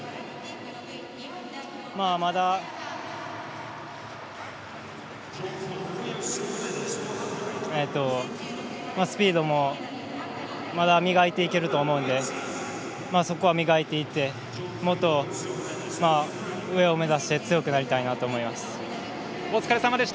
まだ、スピードもまだ磨いていけると思うのでそこは磨いていってもっと上を目指して強くなりたいなと思います。